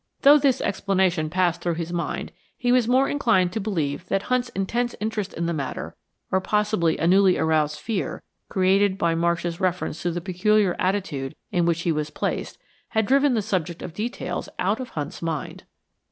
Though this explanation passed through his mind, he was more inclined to believe that Hunt's intense interest in the matter, or possibly a newly aroused fear, created by Marsh's reference to the peculiar attitude in which he was placed, had driven the subject of details, out of Hunt's mind.